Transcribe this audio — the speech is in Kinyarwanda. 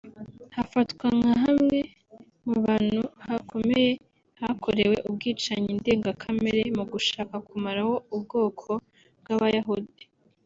hafatwa nka hamwe mu hantu hakomeye hakorewe ubwicanyi ndengakamere mu gushaka kumaraho ubwoko bw’Abayahudi